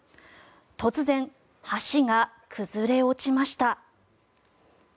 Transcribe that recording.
突然、橋が崩れ落ちました。